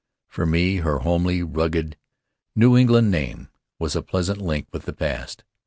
For me her homely, rugged New England name was a pleasant link with the past.